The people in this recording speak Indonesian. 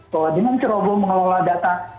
bahwa dengan ceroboh mengelola data